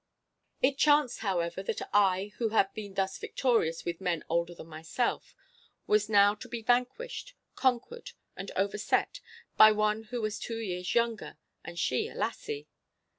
It chanced, however, that I, who had been thus victorious with men older than myself, was now to be vanquished, conquered, and overset, by one who was two years younger, and she a lassie.